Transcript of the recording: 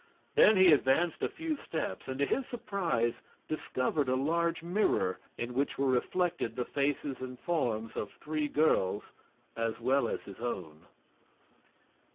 Then he advanced a few steps and, to his surprise, discovered a large mirror, in which were reflected the faces and forms of three girls, as well as his own.